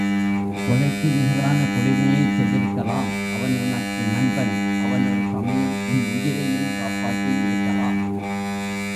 கொலைக்கு நிகரான கொடுமையைச் செய்திருக்கலாம் அவன் உனக்கு நண்பன் அவன் ஒரு சமயம் உன் உயிரையும் காப்பாற்றி இருக்கலாம்.